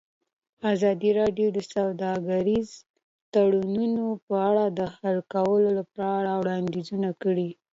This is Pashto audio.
ازادي راډیو د سوداګریز تړونونه په اړه د حل کولو لپاره وړاندیزونه کړي.